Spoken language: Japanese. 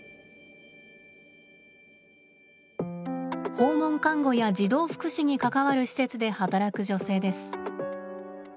訪問看護や児童福祉に関わる施設で働く女性です。